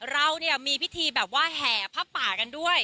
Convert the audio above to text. เราเนี่ยมีพิธีแบบว่าแห่ผ้าป่ากันด้วย